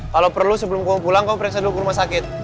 kalau perlu sebelum kau pulang kau periksa dulu ke rumah sakit